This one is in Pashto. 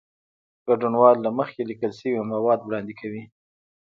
ګډونوال له مخکې لیکل شوي مواد وړاندې کوي.